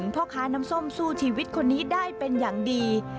พ่อค้าน้ำส้มสู้ชีวิตคนนี้ได้เป็นอย่างดี